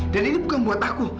dan ini bukan buat aku